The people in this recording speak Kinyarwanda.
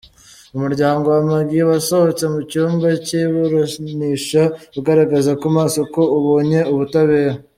Umuryamgo wa Maggie wasohotse mu cyumba cy’iburasnisha ugaragaza ku maso ko ubonye ubutabera.